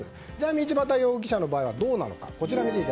道端容疑者の場合はどうなのか。